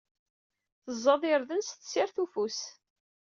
Teẓẓad irden s tessirt ufus.